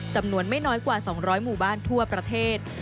จำนวนไม่น้อยกว่า๒๐๐หมู่บ้านทั่วประเทศ